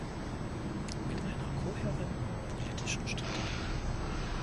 Mit einer kohärenten politischen Strategie.